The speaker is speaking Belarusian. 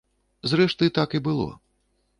Зрэшты, так і было.